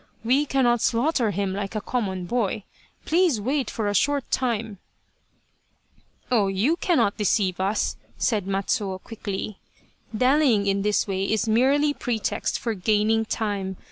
We cannot slaughter him like a common boy. Please wait for a short time !"" Oh, you cannot deceive us," said Matsuo, quickly. 204 Loyal, Even Unto Death " Dallying in this way is merely pretext for gaining time.